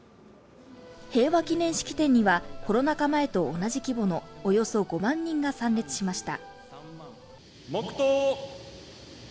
平和記念式典にはコロナ禍前と同じ規模のおよそ５万人が参列しました。